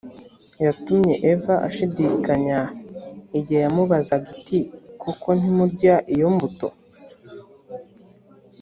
yatumye eva ashidikanya igihe yamubazaga iti koko ntimurya iyo mbuto